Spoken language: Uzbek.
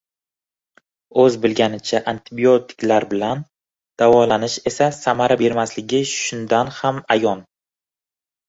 O‘z bilganicha antibiotiklar bilan davolanish esa samara bermasligi shundan ham ayon